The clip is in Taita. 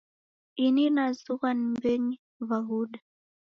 Ini nazughwa na mbenyi w'aghuda.